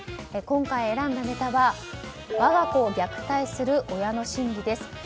今回、選んだネタは我が子を虐待する親の心理です。